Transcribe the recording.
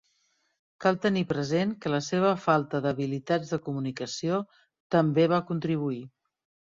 Cal tenir present que la seva falta d'habilitats de comunicació també va contribuir.